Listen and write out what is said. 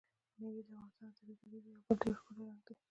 مېوې د افغانستان د طبیعي پدیدو یو بل ډېر ښکلی رنګ دی.